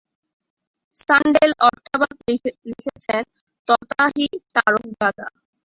সাণ্ডেল অর্থাভাব লিখছেন, তথাহি তারকদাদা।